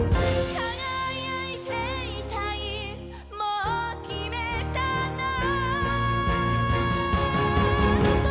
輝いていたいもう決めたの